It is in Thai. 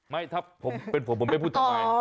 ไม่ถ้าเป็นผมผมไม่พูดต่อไป